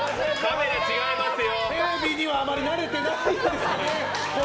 テレビにはあまり慣れてないですね。